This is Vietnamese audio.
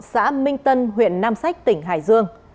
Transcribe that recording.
xã minh tân huyện nam sách tỉnh hải dương